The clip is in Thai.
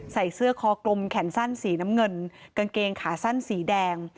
ใส่เสื้อคอกลมแขนสั้นสีน้ำเงินกางเกงขาสั้นสีแดง